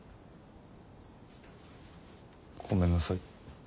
ごめんなさい。